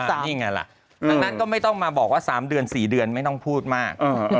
นี่ไงล่ะดังนั้นก็ไม่ต้องมาบอกว่า๓เดือน๔เดือนไม่ต้องพูดมาก